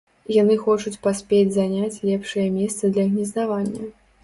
Яны хочуць паспець заняць лепшыя месцы для гнездавання.